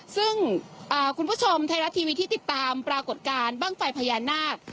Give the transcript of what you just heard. ซึ่งคุณผู้ชมไทยรัฐทีวีที่ติดตามปรากฏการณ์บ้างไฟพญานาค